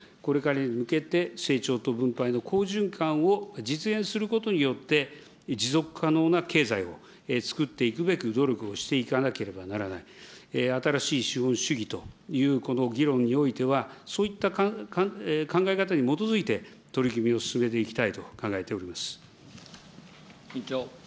ぜひこのかつてのこの残念なこの循環をしっかり振り返りながら、これからに向けて成長と分配の好循環を実現することによって、持続可能な経済を作っていくべく努力をしていかなければならない、新しい資本主義という、この議論においては、そういった考え方に基づいて、取り組みを進めていきたいと考えております。